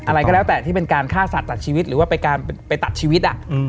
อะไรก็แล้วแต่ที่เป็นการฆ่าสัตว์ตัดชีวิตหรือว่าไปตัดชีวิต